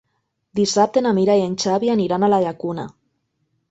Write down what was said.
Dissabte na Mira i en Xavi aniran a la Llacuna.